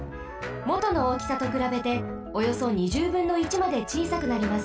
もとのおおきさとくらべておよそ２０ぶんの１までちいさくなります。